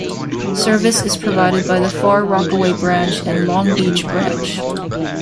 Service is provided by the Far Rockaway Branch and Long Beach Branch.